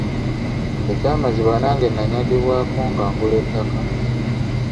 Ekyamazima nange nanyagibwako nga ngula ettaka.